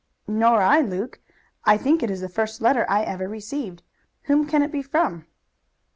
"Nor I, Luke. I think it is the first letter I ever received. Whom can it be from?"